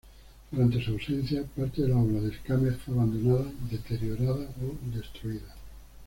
Durante su ausencia, parte de la obra de Escámez fue abandonada, deteriorada o destruida.